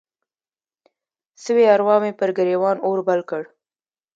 سوي اروا مې پر ګریوان اور بل کړ